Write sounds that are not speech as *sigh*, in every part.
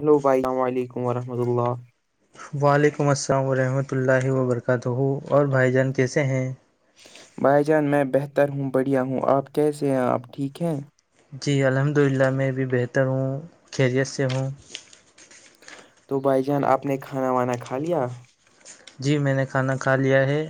Hello بھسلام علیکم وورحمۃ اللہ السلام علیکم ورحمۃ اللہ وبرکاتہ اور بھائی جان کیسے ہیں بھائی جان میں بہتر ہوں بڑھیا ہوں آپ کیسے ہیں آپ ٹھیک ہیں جی الحمد للہ میں بھی بہتر ہوں خیریت سے ہوں تو بھائی جان آپ نے کھانا وانا کھا لیا جی میں نے کھانا کھا لیا ہے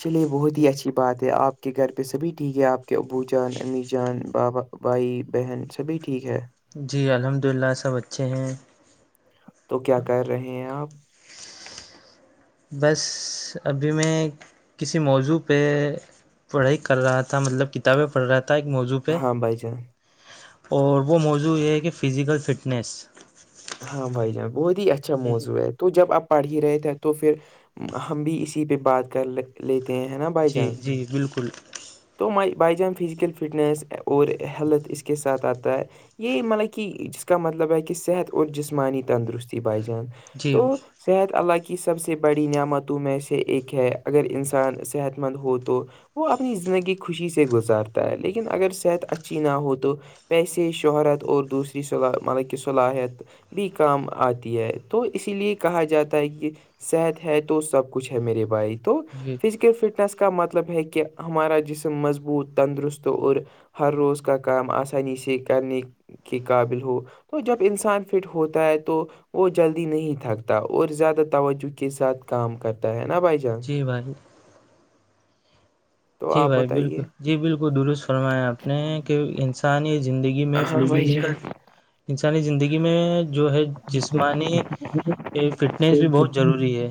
چلیے بہت ہی اچھی بات ہے آپ کے گھر پہ سبھی ٹھیک ہے آپ کے ابو جان امییر جان بابا بھائی بہن سبھی ٹھیک ہے جی الحمد للہ سب اچھے ہیں تو کیا کر رہے ہیں آپ بس ابھی میں کسی موضوع پہ پڑھائی کر رہا تھا مطلب کتابیں پڑھ رہا تھا تھا ایک موضوع پہ ہاں بھائی جان اور وہ موضوع یہ ہے کہ فزیکل فٹنیس ہاں بھائی جان بہت ہی اچھا موزوع ہے تو جب آپ پڑھ ہی رہے تھے تو پھر ہم بھی اسی پہ بات کر ل لیتے ہیں ہیں نا بائی جی جان جی بالکل تو مائی بائی جان فزیکل فٹنس اور ہیلتھ اس کے ساتھ آتا ہے یہ مطلب کہ جس کا مطلب ہے کہ صحت اور جسمانی تندرستی بھائی جان جی تو صحت اللہ کی سب سے بڑی نعمتوں میں سے ایک ہے اگر انسان صحت مند ہو تو وہ اپنی زندگی خوشی سے گزارتا ہے لیکن اگر صحت اچھی نہ ہو تو پیسے شہرت اور دوسری صلا مطلب کہ صلاحیت بھی کام آتی ہے تو اسی لیے کہا جاتا ہے کہ صحت ہے تو سب کچھ ہے میرے بھائی تو جی فزیکل فٹنس کا مطلب ہے کہ ہمارا جسم مضبوط تندرست اور ہر روز کا کام آسانی سے کرنے کے قابل ہو تو جب انسان فٹ ہوتا ہے تو وہ جلدی نہیں تھکتا اور زیادہ توجہ کے ساتھ کام کرتا ہے نا بھائی جان بائی تو جی آپ بھائی بتائیے بالکل جی بالکل درست فرمایا آپ نے کہ انسانی زندگی میں فزیکل *unintelligible* انسانی زندگی میں جو ہے جسمانی فٹنیس بھی بہت ضروری ہے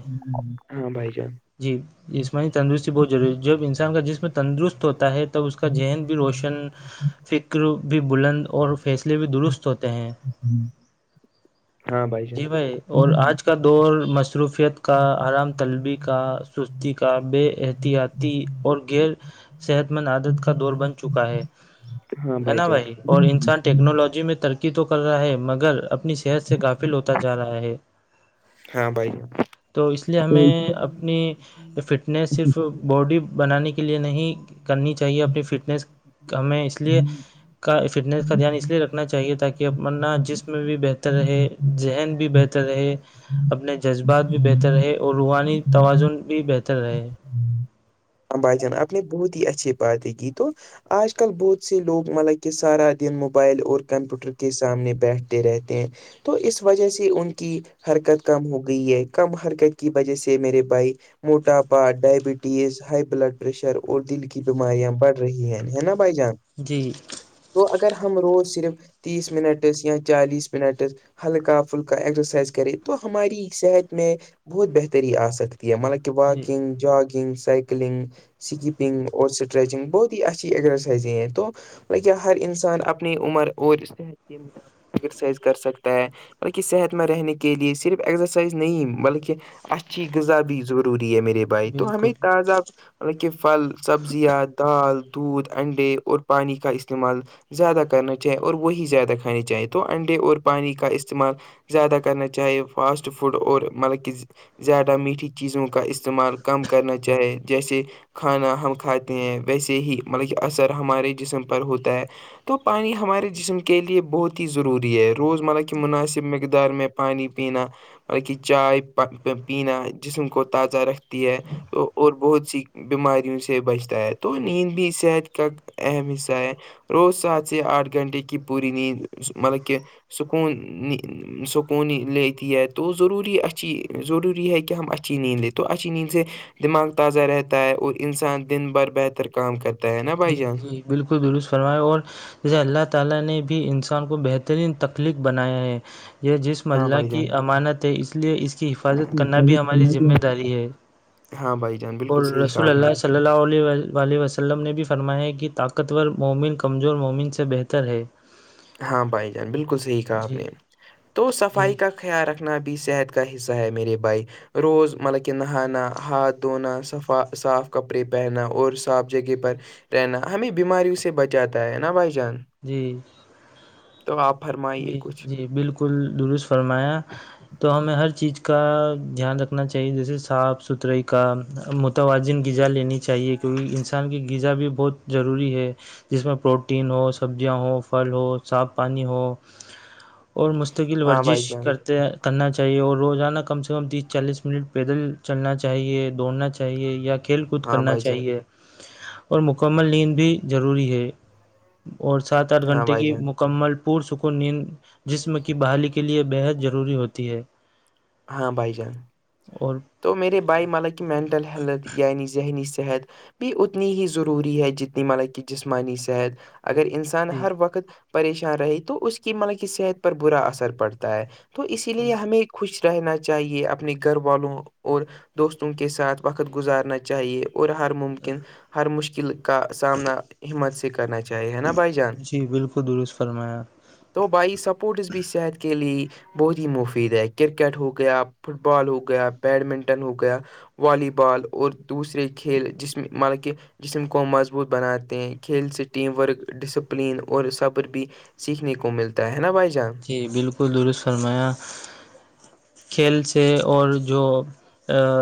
ہاں بھائی جان جی جمانی تندرستی بہت ضوری جب انسان کا جسم تندرست ہوتا ہے تب اس کا ذہن بھی روشن فکر بھی بلند اور فیصلے بھی درست ہوتے ہیں *unintelligible* بہت بہت صحیح کہا۔ ہاں بھائی جان ہاں جان جی بھائی اور آج کا دور مصروفیت کا آرام طلبی کا سستی کا بے احتیاطی اور یر صحت مند عادت کا دور بن چکا ہے ہاں ہے نا جان بھائی اور انسان ٹیکنالوجی میں ترقی تو کر رہا ہے مگر اپنی صحت سے گافل ہوتا جا رہا ہے ہاں بھائی جان تو اس لیے ہمیں اپنی اپنی فٹنس صرف سیکھنے کی جو باڈی بنانے ہماری کے لیے زندگی کے نہیں لیے ہے، کرنی چاہیے اپنی ہمیں فٹنیس کہیں سے سیکھنا ہمیں اس لیے نہیں ہے، کا فٹنس کا ہمیں دھیان اس کہیں لیے سے رکھنا نہیں چاہیے سیکھنا تاکہ ہے۔ اپ ورنہ جسم میں بھی بہتر رہے ہمیں اپنے آپ ذہن کو بھی بہتر رہ سیکھنا اپنے جذبات بھی بہتر رہ تو ہے، روحانی ہمیں ہمارے توازن بھی بہتر رہے امباجن اپ نے بہت ہی اچھے پاتے گی تو آج کل بہت سے لوگ مطلب کہ سارا دن موبائل اور کمپیوٹر کے سامنے بیٹھتے رہتے ہیں تو اس وجہ سے ان کی حرکت کم ہو گئی ہے کم حرکت کی وجہ سے میرے بھائی موٹا پاٹ ڈائبٹیز بلڈ پرریشر اور دل کی بیماریاں بڑھ رہی ہیں ہے نا بھائی جان جی تو اگر ہم روز صرف تیس منٹس یا چالیس منٹس ہلکا پھلکا ایکسرسائز کرے تو ہماری صحت میں بہت بہتری آ سکتی ہے مطلب جی واکنگ جاگنگ سائل اسکنگ اور اسٹریچنگ بہت ہی اچھی ایکسرسائز ہیں تو ہر انسان اپنی عمر اور صحت کے مرسائز کر سکتا ہے بلکہ صحت میں رہنے کے لیے صرف ایکزرسائز نہیں بلکہ اچھی غذا بھی ضروری ہے میرے بھائی تو بالکل ہمیں تازہ مطلب کہ پھل سبزیاں دال دودھ انڈے اور پانی کا استعمال زیادہ کرنا چاہے اور وہی زیادہ کھانانی چاہیں تو انڈے اور پانی کا استعمال زیادہ کرنا چاہیے فاسٹ فوڈ اور مطلب کہ زیادہ میٹھی چیزوں کا استعمال کم کرنا چاہے جیسے کھانا ہم جی کھاتے ہیں ویسے ہی مطلب کہ اثر ہمارے جسم پر ہوتا ہے تو پانی ہمارے جسم کے لیے بہت ہی ضروری ہے روزمرہ کی مناسب مقدار در میں پانی پینا مطل کہ چائے پینا جسم کو تازہ رکھ ہے اور بہت سی بیماریوں سے بچتا ہے تو نیند بھی صحت کا اہم حصہ ہے روز سات سے آٹھ گھنٹے کی پوری نیند مطلب کہ سکون سکون لیتی ہے تو ضروری اچھی ضروری ہے کہ ہم اچ اچی نیند لے تو اچی نیند سے دماغ تازہ رہتا ہے اور انسان دن بھر بہتر کام کرتا ہے نا جی بھائی جان جی بالکل درست فرماائے اور جیسے اللہ تعال نے بھی انسان کو بہتر بہترین تخلیق بنایا ہے یہ جسم ہاں اللہ بھائی جان کی امانت ہے اس لیے اس کی حفاظت کرنا بھی ہماری کرنا بھی ذمہ ہم- داری ہے *unintelligible* اور بالکل صحیح کہا رسول آپ نے اللہ صلی اللہ علیہ وسلم ولم نے بھی فرمایا کہ طاقتور مومن کمزور مومن سے بہتر ہے ہاں بھائی جان بالکل صحیح کہا آپ جی نے تو جی صفائی کا خیال رکھنا بھی صحت کا حصہ ہے میرے بھائی روز مطلب کہ نہانا ہاتھ دھونا صفا صاف کپڑے پہنا اور صاف جگہ پر رہنا ہمیں بیماریوں سے بچاتا ہے نا بھائی جان جی تو آپ بھرما جی جی بالکل درست فرمایا تو ہمیں ہر چیز کا دھیان رکھنا چاہیے جیسے صاف ستھرائی کا متوازن غذا لینی چاہیے کیونکہ انسان کی غذا بھی بہت ضروری ہے جس میں پروٹین ہو سبزیاں ہو پھل ہو صاف پانی ہو اور مستقل ہاں بھائی ورزش جان کرتے ہیں کرنا چاہیے اور روزانہ کم سے کم تیس چالیس منٹ پیدل چلنا چاہیے دوڑنا چاہیے یا کھیل کود ہاں کرنا بھائی جان چاہے اور مکمل لیند بھی ضروری ہے اور سات آٹھ ہاں گھٹے بھائی کی جان مکمل پور سک ن جسم کی بحالی کے لئے بےحد ضروری ہوتی ہے ہاں بھائی جان اور تو میرے بھائی مطلب کہ مینٹل ہیلتھ یعنی ذہنی صحت بھی اتنی ہی ضروری ہے جتنی مطلب کہ جسمانی صحت اگر انس ان جی ہر وقت پریشان رہی تو اس کی مطلب کی صحت پر برا اثر پڑتا ہے تو اسی لیے ہمیں خوش رہنا چاہیے اپنے گھر والوں اور دوستوں کے ساتھ وقت گزارنا چاہیے اور ہر ممکن ہر مشکل کا سامنا ہمت سے کرنا چاہیے ہے نا بھائی جان جی بالکل درست فرمایا تو بھائی سپورٹس بھی صحت کے لیے بہت ہی مفید ہے کرکٹ ہو گیا فٹ بال ہو گیا بیڈمنٹن ہو گیا والی بال اور دوسرے کھیل جس میں مطلب کہ جسم کو مضبوط بناتے ہیں کھیل سے ٹیم ورک ڈسپلین اور صبر بھی سیکھنے کو ملتا ہے نا بھائی جان بالکل درست فرمایا کھیل سے اور جو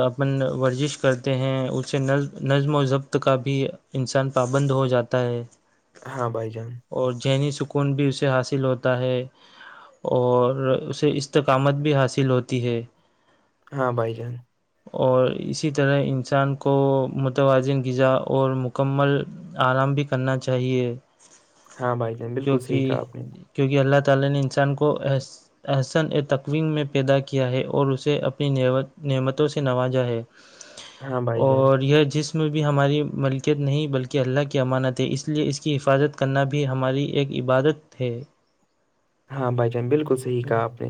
اپن ورزش کرتے ہیں اسے نظم نظم و ضبط کا بھی انسان پابند ہو جاتا ہے ہاں بھائی جان اور ذہنی سکون بھی اسے حاصل ہوتا ہے اور اسے استقامت بھی حاصل ہوتی ہے ہاں بھائی جان اور اسی طرح انسان کو متوازن غذا اور مکمل آرام بھی کرنا چاہیے ہاں بھائی جان بالکل کیونکہ صحیح کہا آپ نے کیونکہ اللہ تعن انسان کوس احسن ا تکوین میں پیدا کیا ہے اور اسے اپنی نعمتوں سے نوازا ہے ہاں بھائی جان اور یہ جس میں بھی ہماری ملکیت نہیں بلکہ اللہ کی امانت ہے اس لیے اس کی حفاظت کرنا بھی ہماری ایک عبادت ا تھے ہاں بھائی جان بالکل صح کہا آپ نے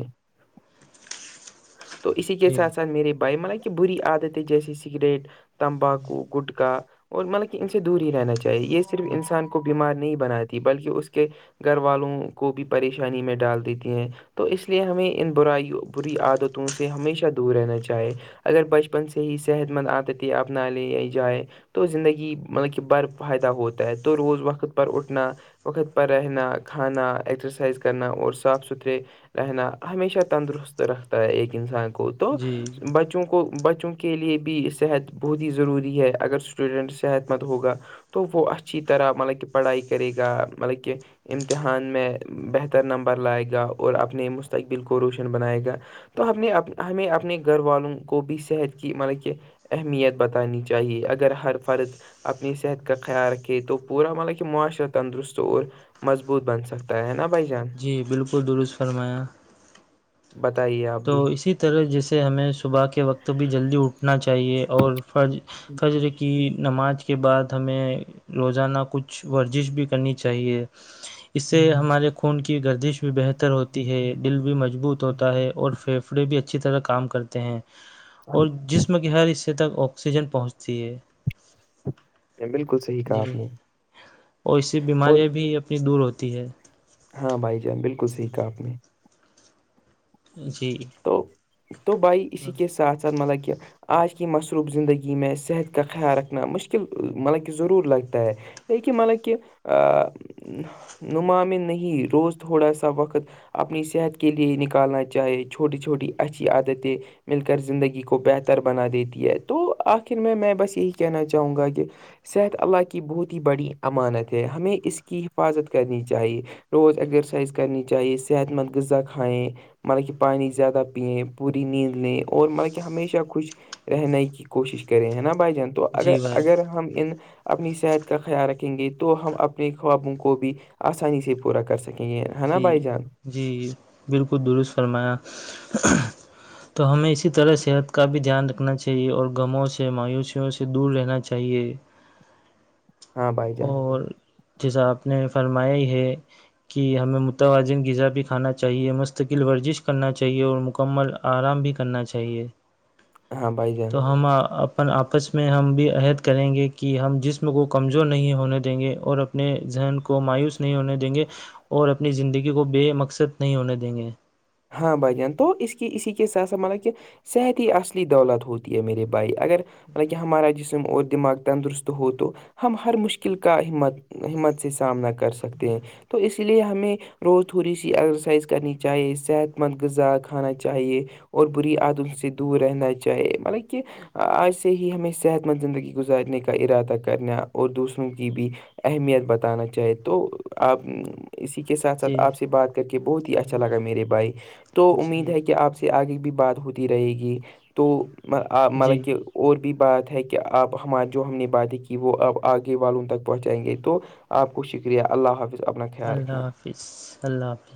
تو اسی کے جی ساتھ سھ میرے بھائی مان کہ بری عادتیں جیسے سگریٹ تمباکو گٹکا اور مطلب کہ ان سے دور ہی رہنا چاہیے یہ صرف انسان کو بیمار نہیں بناتی بلکہ اس کے گھر والوں کو بھی پریشانی میں ڈال دیتی ہیں تو اس لیے ہمیں ان برائی بری عد تو تم اس سے ہمیشہ دور رہنا چاہے اگر بچپن سے ہی صحت مند عادت اپنا لے یا جائے تو زندگی مطلب کہ بر فائدہ ہوتا ہے تو روز وقت پر اٹھنا وقت پر رہنا کھانا ایکسرسائز کرنا اور صاف ستھرے رہنا ہمیشہ تندرست رکھتا ہے ایک انسان کو تو جی جی بچوں کو بچوں کے لیے بھی صحت بہت ہی ضروری ہے اگر اسٹوڈنٹ صحت مند ہوگا تو وہ اچھی طرح مطلب کہ پڑھائی کرے گا مطلب کہ امتحان میں بہتر نمبر لائے گا اور اپنے مستقبل کو روشن بنائے گا تو ہم نے ہمیں اپنے گھر والوں کو بھی صحت کی مطلب کہ اہمیت بتانی چاہیے چاہیے اگر ہر فرد اپنی صحت کا خیال رکھھیے تو پورا مطلب کہ معاشرہ تندرست اور مضبوط بن سکتا ہے نا بھائی جان جی بالکل درست فرمایا بتائیے آپ تو بھی اسی طرح جیسے ہمیں صبح کے وقت بھی جلدی اٹھنا چاہیے اور فرض فجر کی نماز کے بعد ہمیں روزانہ کچھ ورزش بھی کرنی چاہیے اس سے ہاں، ہمارے خون کی گردش بھی بہتر ہوتی ہے دل بھی مضبوط ہوتا ہے اور فھیفڑے بھی اچھی طرح کام کرتے ہیں اور جس جس کے ہر حصے تک آکسیجن پہنچتی ہے بالکل صحیح کہا جی آپ نے اور ایسی اور بیماریاں بھی اپنی دور ہوتی ہے ہاں بھائی جان بالکل سیکھا آپ نے جی تو تو بھائی اسی کے ساتھ ساتھ مطلب کیا آج کی مصروف زندگی میں صحت کا خیال رکھنا مشکل مطلب کہ ضرور لگتا ہے لیکن مطلب کہہ نما نہیں ہی روز تھوڑا سا وقت اپنی صحت کے لیے نکالنا چاہے چھوٹی چھوٹی اچھی عادتیں مل کر زندگی کو بہتر بنا دیتی ہے تو آخر میں میں بس یہی کہنا چاہوں گا کہ صحت اللہ کی بہت ہی بڑی امانت ہمیں اس کی حفاظت کرنی چاہیے روز ایگزرسائز کرنی چاہیے صحت مند غذا کھائیں مطلب کہ پانی زیادہ پئیں پوری نیند لیں اور مطلب کہ ہمیشہ کچش رہنے کی کوشش کرے ہیں نا بھائی جان تو اگر جی بھائی اگر ہم ان اپنی صحت کا خیال رکھیں گے تو ہم اپنے خوابوں کو بھی آسانی سے پورا کر سکیں گے ہے نا جی بھائی جان جی بالکل درست فرمایا تو ہمیں اسی طرح صحت کا بھی دھیان رکھنا چاہیے اور غموں سے مایوسیوں سے دور رہنا چاہے چاہیے *unintelligible* بھائی جان اور جیسا آپ نے فرمایا ہی ہے کہ ہمیں متوازن غذا بھی کھانا چاہیے مستقل ورزش کرنا چاہیے اور مکمل آرام بھی کرنا چاہیے ہاں بھائی جان تو ہم اپن آپس میں ہم بھی عہد کریں گے کہ ہم جسم کو کمزور نہیں ہونے دیں گے اور اب اپنے ذہن کو مایوس نہیں ہونے دیں گے اور اپنی زندگی کو بے مقصد نہیں ہونے دیں گے ہاں بھائی جان تو اس کی اسی کے ساتھ ساتھ مطلب کہ صحت ہی اصلی دولت ہوتی ہے میرے بھائی اگر حالانکہ ہمارا جسم اور دماغ تندرست ہو تو ہم ہر مشکل کا ہمت ہمت سے سامنا کر کر سکتے ہیں تو اس لیے ہمیں روز تھوڑی سی ایکسرسائز کرنی چاہیے اس صحت مند غذا کھانا چاہیے اور بری عدم سے دور رہنا چاہیے مطلب کہ آج سے ہی ہمیں صحت مند زندگی گزارنے کا ارادہ کرنا اور دوسروں کی بھی اہمیت بتانا چاہے تو آپ اسی کے ساتھ ساتھ جی آپ سے بات کر کے بہت ہی اچھا لگا میرے بھائی تو امید جی ہے کہ آپ سے آگے بھی بات ہوتی رہے گی تو جی مطلب کہ اور بھی بات ہے کہ آپ ہمار جو ہم نے باتیں کی وہ آپ آگے والوں تک پہنچائیں گے تو آپ کو شکریہ اللہ حافظ اپنا خیال اللہ رکھنا حافظ اللہ حافظ